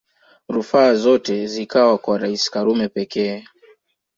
Rufaa zote zikawa kwa Rais Karume pekee